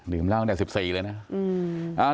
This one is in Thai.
ดื่มเล่ากันตั้งแต่๑๔เลยนะอืม